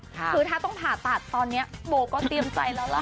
คือถ้าต้องผ่าตัดตอนนี้โบก็เตรียมใจแล้วล่ะ